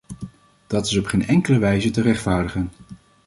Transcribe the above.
Dat is op geen enkele wijze te rechtvaardigen.